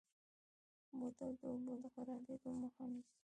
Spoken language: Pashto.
بوتل د اوبو د خرابېدو مخه نیسي.